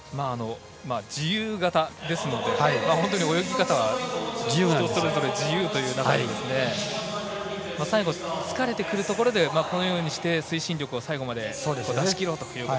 自由形ですので泳ぎ方は人それぞれ自由という中で最後、疲れてくるところでこのようにして推進力を最後まで出し切ろうという。